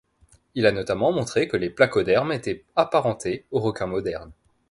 Il a notamment montré que les placodermes étaient apparentés aux requins modernes.